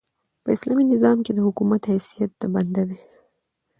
په اسلامي نظام کښي د حکومت حیثیت د بنده دئ.